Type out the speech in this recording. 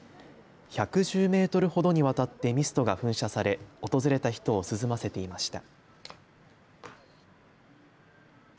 １１０メートルほどにわたってミストが噴射され訪れた人を涼ませていました。